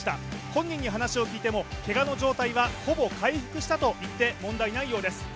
本人に話を聞いても、けがの状態はほぼ回復したといっても問題ないようです。